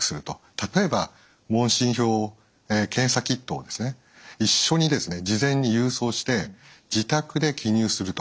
例えば問診票検査キットを一緒に事前に郵送して自宅で記入すると。